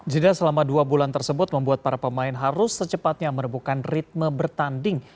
jeda selama dua bulan tersebut membuat para pemain harus secepatnya merebuhkan ritme bertanding